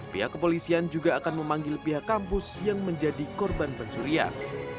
pihak kepolisian juga akan memanggil pihak kampus yang menjadi korban pencurian